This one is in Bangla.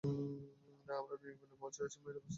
না আমরা নির্বিঘ্নে পৌঁছে গেছি মায়ের অবস্থা কেমন?